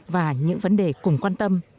và những vấn đề cùng quan tâm